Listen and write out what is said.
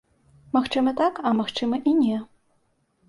Магчыма так, а магчыма і не.